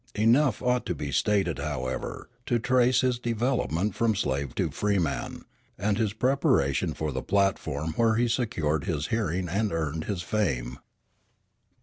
Enough ought to be stated, however, to trace his development from slave to freeman, and his preparation for the platform where he secured his hearing and earned his fame.